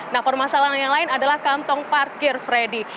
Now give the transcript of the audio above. nah permasalahan yang lain adalah kantong parkir freddy